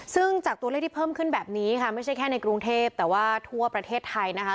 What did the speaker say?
ซึ่งจากตัวเลขที่เพิ่มขึ้นแบบนี้ค่ะไม่ใช่แค่ในกรุงเทพแต่ว่าทั่วประเทศไทยนะคะ